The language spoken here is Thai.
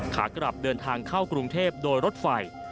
ขากลับเดินทางเข้ากรุงเทพโดยรถไฟ